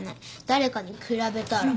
誰かに比べたら。